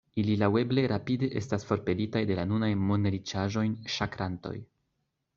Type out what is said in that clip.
Ili laŭeble rapide estas forpelitaj de la nunaj monriĉaĵon ŝakrantoj“.